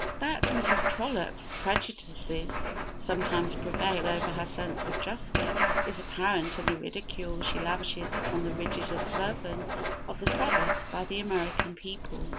That Mrs. Trollope's prejudices sometimes prevail over her sense of justice is apparent in the ridicule she lavishes upon the rigid observance of the Sabbath by the American people.